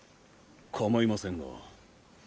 かまいませんが。